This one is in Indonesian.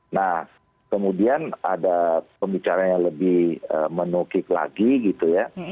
nah kemudian ada pembicaraan yang lebih menukik lagi gitu ya